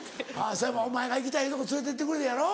お前が行きたい言うとこ連れてってくれるやろ？